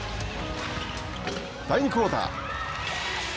第２クオーター。